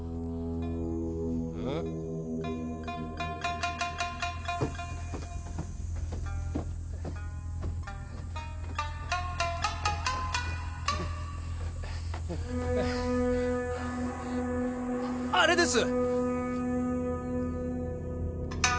うん？あれです。